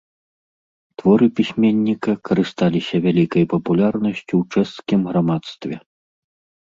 Творы пісьменніка карысталіся вялікай папулярнасцю ў чэшскім грамадстве.